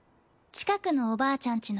近くのおばあちゃん